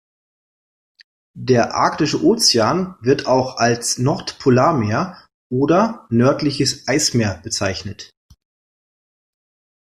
Der Arktische Ozean, wird auch als Nordpolarmeer oder nördliches Eismeer bezeichnet.